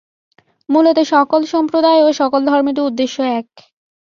মূলত সকল সম্প্রদায় ও সকল ধর্মেরই উদ্দেশ্য এক।